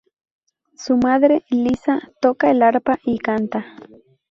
Su madre, Liza, toca el arpa y canta.